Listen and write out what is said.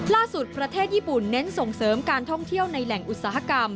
ล่าสุดประเทศญี่ปุ่นเน้นส่งเสริมการท่องเที่ยวในแหล่งอุตสาหกรรม